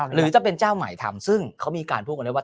หรือจะเป็นเจ้าใหม่ทำซึ่งเขามีการพูดกันได้ว่า